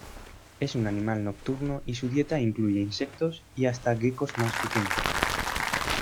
Es un animal nocturno y su dieta incluye insectos y hasta geckos más pequeños.